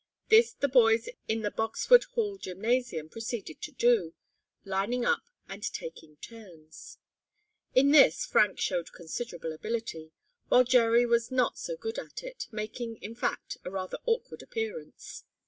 This the boys in the Boxwood Hall gymnasium proceeded to do, lining up and taking turns. In this Frank showed considerable ability, while Jerry was not so good at it, making, in fact, a rather awkward appearance.